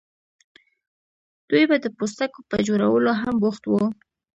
دوی به د پوستکو په جوړولو هم بوخت وو.